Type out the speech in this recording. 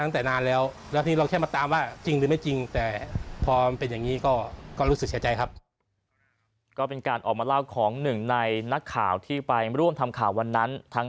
ตั้งแต่นานแล้วแล้วทีนี้เราแค่มาตามว่า